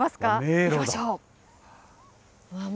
行きましょう。